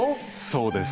そうです。